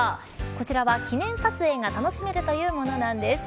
こちらは記念撮影が楽しめるというものなんです。